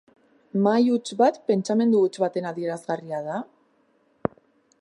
Mahai huts bat pentsamendu huts baten adierazgarria da?